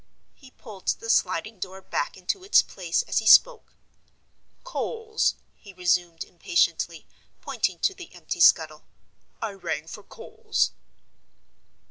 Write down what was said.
He pulled the sliding door back into its place as he spoke. "Coals," he resumed, impatiently, pointing to the empty scuttle. "I rang for coals."